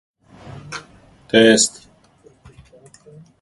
Chatzimarkakis is married and has two daughters.